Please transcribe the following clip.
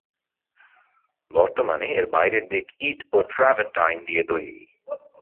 বর্তমানে এর বাইরের দিক ইট ও ট্র্যাভেরটাইন দিয়ে তৈরি।